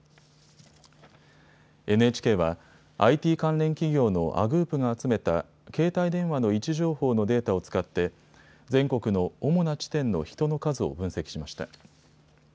ＮＨＫはＩＴ関連企業のＡｇｏｏｐが集めた携帯電話の位置情報のデータを使って全国の主な地点の人の数を分析しました。